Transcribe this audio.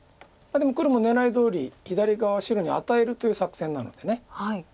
でも黒も狙いどおり左側白に与えるという作戦なので。